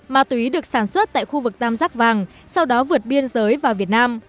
ma túy được sản xuất tại khu vực tam giác vàng sau đó vượt biên giới vào việt nam